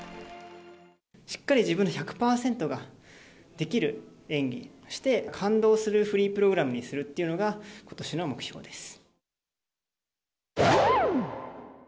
しっかり自分の１００％ができる演技をして、感動するフリープログラムにするっていうのが、ことしの目標です。